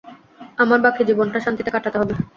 আমার বাকি জীবনটা শান্তিতে কাটাতে হবে।